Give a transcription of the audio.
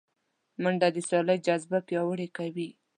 منډه د سیالۍ جذبه پیاوړې کوي